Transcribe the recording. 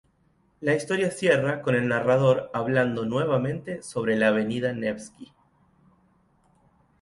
La historia cierra con el narrador hablando nuevamente sobre la avenida Nevski.